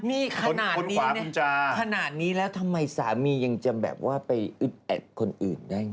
มีขนาดนี้ขนาดนี้แล้วทำไมสามียังจะแบบว่าไปอึดอัดคนอื่นได้ไง